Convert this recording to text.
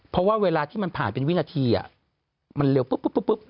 เพราะว่าเวลาที่มันผ่านเป็นวินาทีอ่ะมันเร็วปุ๊บปุ๊บปุ๊บปุ๊บ